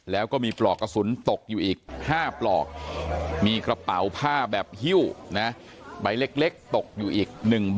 แล้วก็มีปลอกกระสุนตกอยู่อีก๕ปลอก